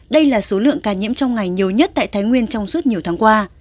đây là số lượng ca nhiễm trong ngày nhiều nhất tại thái nguyên trong suốt nhiều tháng qua